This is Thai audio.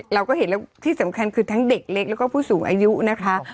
เราก็เห็นแล้วที่สำคัญคือทั้งเด็กเล็กแล้วก็ผู้สูงอายุนะคะ